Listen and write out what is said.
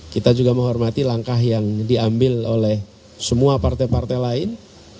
kita juga menghormati langkah yang diambil oleh semua partai partai lain